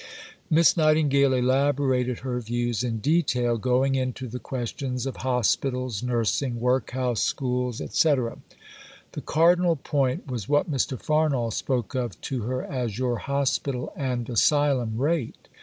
Miss Nightingale elaborated her views in detail, going into the questions of Hospitals, Nursing, Workhouse Schools, etc. The cardinal point was what Mr. Farnall spoke of to her as "your Hospital and Asylum Rate."